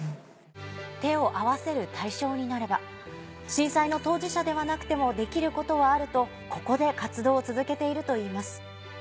震災の当事者ではなくてもできることはあるとここで活動を続けているといいます。